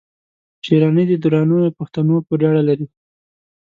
شېراني د درانیو پښتنو پوري اړه لري